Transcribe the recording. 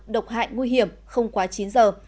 độc hại nguy hiểm không quá chín giờ